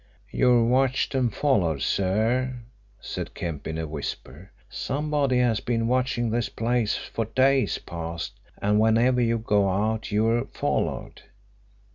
"You're watched and followed, sir," said Kemp in a whisper. "Somebody has been watching this place for days past and whenever you go out you're followed."